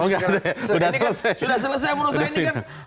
sudah selesai menurut saya ini kan